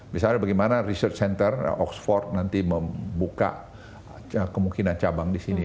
misalnya bagaimana research center oxford nanti membuka kemungkinan cabang di sini